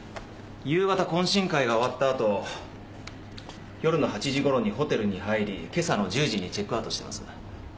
夕方懇親会が終わったあと夜の８時頃にホテルに入り今朝の１０時にチェックアウトしています。